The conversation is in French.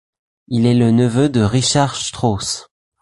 Il est le neveu de Richard Strauss.